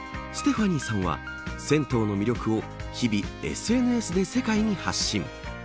ステファニーさんは銭湯の魅力を日々、ＳＮＳで世界に発信。